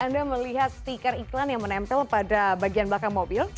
anda melihat stiker iklan yang menempel pada bagian belakang mobil